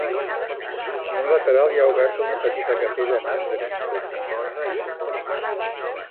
En un lateral hi ha oberta una petita capella en arc de mig punt.